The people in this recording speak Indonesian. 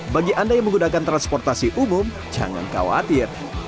bagi anda yang menggunakan transportasi umum jangan khawatir